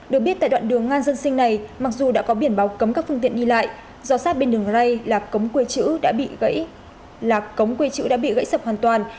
được biết tại đoạn đường ngan dân sinh này mặc dù đã có biển báo cấm các phương tiện đi lại do sát bên đường ray là cống quê chữ đã bị gãy